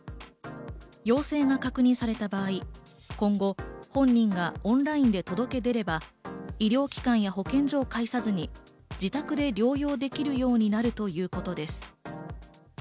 陽性が確認された場合、今後、本人がオンラインで届け出れば、医療機関や保健所を介さずに自宅で療養できるようになるということです。